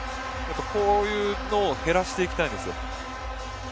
こういうのを減らしていきたいんです。